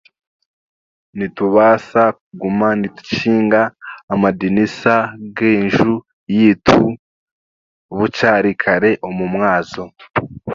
Nitubaasa kuguma nitukinga amadinisa g'enju yaitu bukyari kare omu mwazyo.